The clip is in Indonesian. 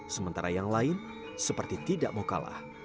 sementara yang lain seperti tidak mau kalah